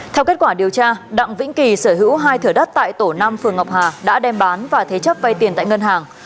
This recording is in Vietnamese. theo kết quả điều tra đặng vĩnh kỳ sở hữu hai thửa đất tại tổ năm phường ngọc hà đã đem bán và thế chấp vay tiền tại ngân hàng